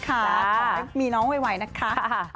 ขอให้มีน้องไวนะคะ